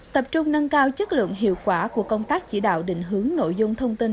tập trung nâng cao chất lượng hiệu quả của công tác chỉ đạo định hướng nội dung thông tin